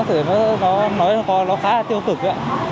em thấy nó khá là tiêu cực ấy ạ